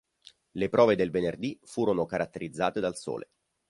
Le prove del venerdì furono caratterizzate dal sole.